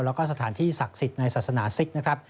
แล้วก็สถานที่ศักดิ์สิทธิ์ในศาสนาซิกนะครับ